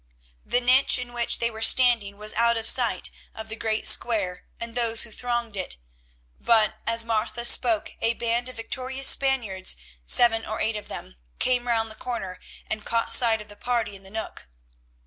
The niche in which they were standing was out of sight of the great square and those who thronged it, but as Martha spoke a band of victorious Spaniards, seven or eight of them, came round the corner and caught sight of the party in the nook.